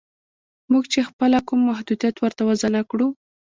موږ چې خپله کوم محدودیت ورته وضع نه کړو